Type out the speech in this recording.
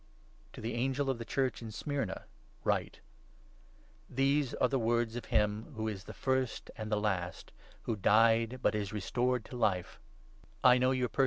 " To the Angel of the Church in Smyrna write :— 8 "These are the words of him who is the First and the Last, who died, but is restored to life :— I know your persecution 9 13 Dan.